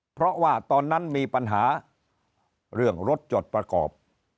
เพราะว่าตอนนั้นมีปัญหาเรื่องรถจดประกอบ